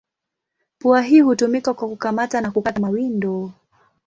Pua hii hutumika kwa kukamata na kukata mawindo.